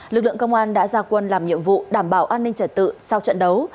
lực lượng công an đã ra quân làm nhiệm vụ đảm bảo an ninh trật tự sau trận đấu